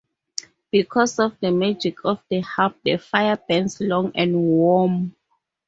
Because of the magic of the harp, the fire burns long and warm.